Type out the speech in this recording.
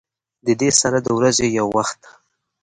د دې سره د ورځې يو وخت